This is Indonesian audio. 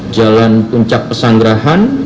jalan puncak pesanggerahan